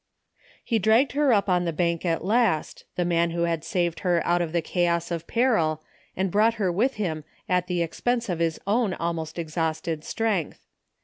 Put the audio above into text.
He dragged her up on the bank at last, the man who had saved her out of the chaos of peril and brought her with him at the expense of his own almost exhausted strength.